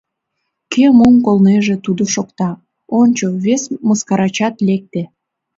— Кӧ мом колнеже — тудо шокта, — ончо, вес мыскарачат лекте.